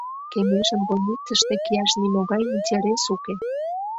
Кеҥежым больницыште кияш нимогай интерес уке.